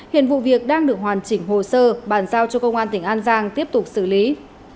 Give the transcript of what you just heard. hiện vụ việc đang được hoàn chỉnh hồ sơ bàn giao cho công an tỉnh an giang tiếp tục xử lý